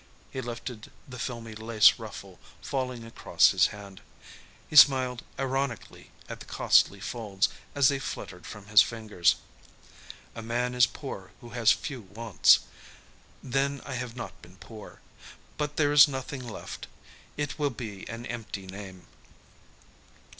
He lifted the filmy lace ruffle falling across his hand. He smiled ironically at the costly folds, as they fluttered from his fingers. "A man is poor who has few wants. Then I have not been poor. But there is nothing left. It will be an empty name."